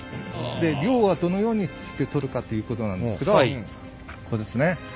漁はどのようにして取るかということなんですけどこれですね。